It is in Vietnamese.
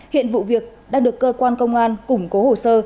hiện vụ việc đang được cơ quan công an củng cố hồ sơ